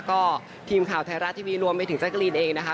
ก็ทีมข่าวไทยรัฐทีวีรวมไปถึงแจ๊กรีนเองนะคะ